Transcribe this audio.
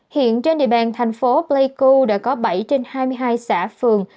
hiện trên địa bàn thành phố pleiku đã có bảy trên hai mươi hai xã phường